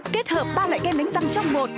kết hợp ba loại kem đánh răng trong một